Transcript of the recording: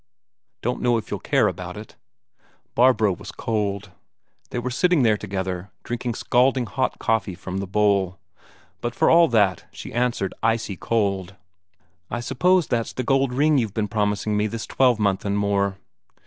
Don't know if you'll care about it." Barbro was cold. They were sitting there together, drinking scalding hot coffee from the bowl, but for all that she answered icy cold: "I suppose that's the gold ring you've been promising me this twelvemonth and more."